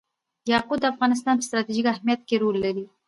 یاقوت د افغانستان په ستراتیژیک اهمیت کې رول لري.